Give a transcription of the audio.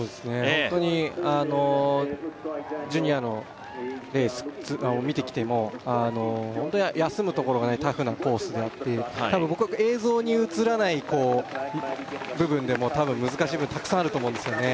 ホントにあのジュニアのレースを見てきてもホント休むところがないタフなコースであって多分僕は映像に映らない部分でも多分難しい部分たくさんあると思うんですよね